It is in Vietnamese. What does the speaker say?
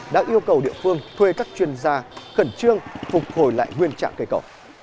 đã yêu cầu địa phương thuê các chuyên gia khẩn trương phục hồi lại nguyên trạng cây cỏ